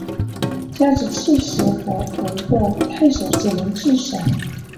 交址刺史和各个太守只能自守。